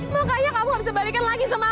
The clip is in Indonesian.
makanya kamu gak bisa balikan lagi sama aku